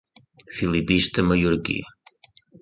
Filipista mallorquí.